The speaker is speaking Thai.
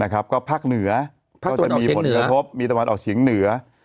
ก็ภาคเหนือก็จะมีผลกระทบมีตะวันออกเฉียงเหนือ